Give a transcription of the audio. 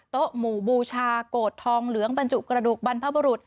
หมู่บูชาโกรธทองเหลืองบรรจุกระดูกบรรพบุรุษ